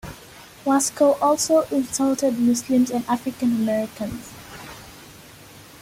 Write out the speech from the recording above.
Wasko also insulted Muslims and African-Americans.